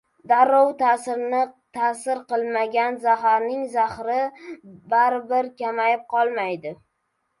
Darrov ta’sir qilmagan zaharning zahri baribir kamayib qolmaydi.